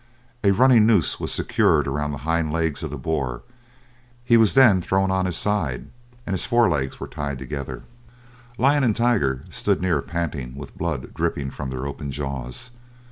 A running noose was secured round the hind legs of the boar; he was then thrown on his side, and his forelegs were tied together. Lion and Tiger stood near panting, with blood dripping from their open jaws.